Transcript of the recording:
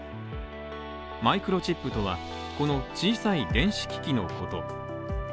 マイクロチップとは、この小さい電子機器のこと。